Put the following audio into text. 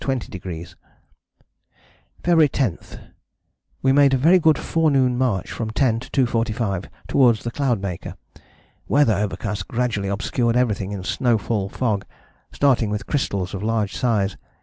"February 10. ?16 m. We made a very good forenoon march from 10 to 2.45 towards the Cloudmaker. Weather overcast gradually obscured everything in snowfall fog, starting with crystals of large size....